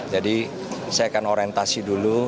jadi saya akan orientasi dulu